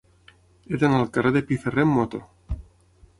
He d'anar al carrer de Piferrer amb moto.